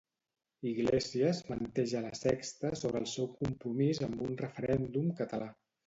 Iglesias menteix a La Sexta sobre el seu compromís amb un referèndum català.